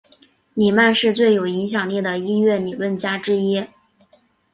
里曼是最有影响力的音乐理论家之一。